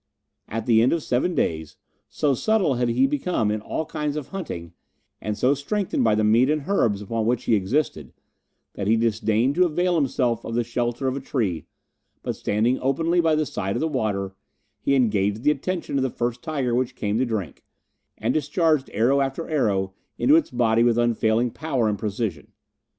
At the end of seven days, so subtle had he become in all kinds of hunting, and so strengthened by the meat and herbs upon which he existed, that he disdained to avail himself of the shelter of a tree, but standing openly by the side of the water, he engaged the attention of the first tiger which came to drink, and discharged arrow after arrow into its body with unfailing power and precision.